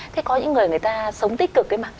thế có những người người ta sống tích cực ấy mà